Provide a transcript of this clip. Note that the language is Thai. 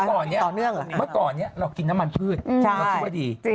เมื่อก่อนนี้เรากินน้ำมันพืชเราช่วยดี